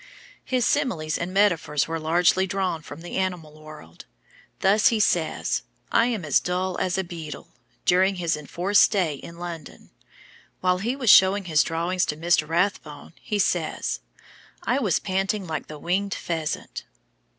His similes and metaphors were largely drawn from the animal world. Thus he says, "I am as dull as a beetle," during his enforced stay in London. While he was showing his drawings to Mr. Rathbone, he says: "I was panting like the winged pheasant."